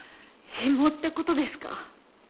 ヒモってことですか？